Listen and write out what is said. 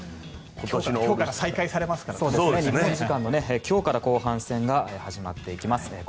日本時間の今日から後半戦が始まっていきます。